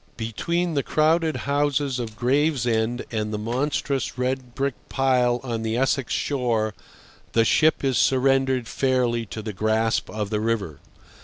Between the crowded houses of Gravesend and the monstrous red brick pile on the Essex shore the ship is surrendered fairly to the grasp of the river.